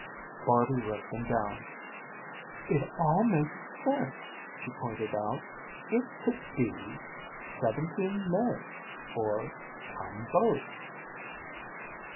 '" Barby wrote them down. "It all makes sense," she pointed out. "It could be, 'Seventeen may,' or 'come both.'"